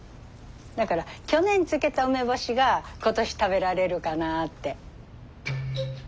だから去年漬けた梅干しが今年食べられるかなって。